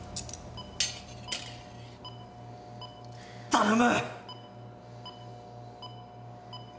頼む！